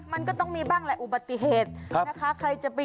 มันก็ต้องมีบ้างแหละอุบัติเหตุนะคะ